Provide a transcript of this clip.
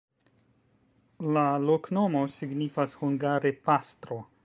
La loknomo signifas hungare: pastro.